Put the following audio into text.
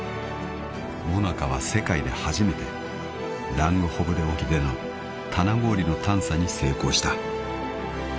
［ＭＯＮＡＣＡは世界で初めてラングホブデ沖での棚氷の探査に成功した］